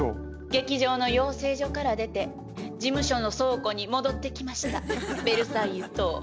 劇場の養成所から出て事務所の倉庫に戻ってきましたベルサイユと申します。